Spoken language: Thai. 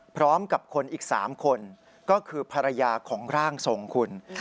พร้อมกับคนอีก๓คนก็คือภรรยาของร่างทรงคุณ